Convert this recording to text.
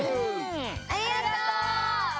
ありがとう！